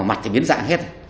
mặt thì biến dạng hết